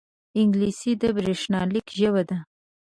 انګلیسي د بریښنالیک ژبه ده